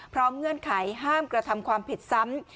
เงื่อนไขห้ามกระทำความผิดซ้ำ